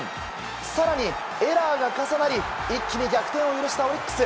更に、エラーが重なり一気に逆転を許したオリックス。